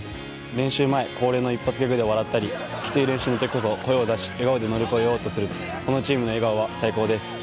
練習前恒例の一発ギャグで笑ったりきつい練習の時こそ声を出し笑顔で乗り越えようとするこのチームの笑顔は最高です。